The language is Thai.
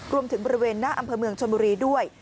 บริเวณหน้าอำเภอเมืองชนบุรีด้วย